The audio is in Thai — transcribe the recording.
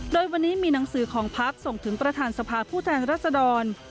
โดยวันนี้มีหนังสือของพักส่งถึงประธานสภาผู้แทนรัศดร